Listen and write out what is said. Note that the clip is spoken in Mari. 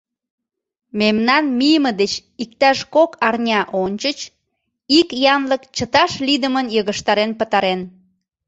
Мемнан мийыме деч иктаж кок арня ончыч ик янлык чыташ лийдымын йыгыштарен пытарен.